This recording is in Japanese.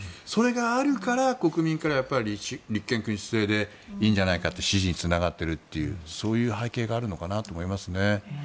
それがあるから国民から立憲君主制でいいんじゃないかと支持につながっているというそういう背景があるのかなと思いますね。